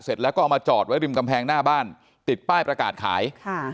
เสร็จแล้วก็เอามาจอดไว้ริมกำแพงหน้าบ้านติดป้ายประกาศขายค่ะ